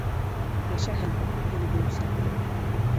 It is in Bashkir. Йәшәһен: Гөл-Гөнсә